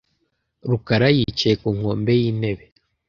rukara yicaye ku nkombe yintebe .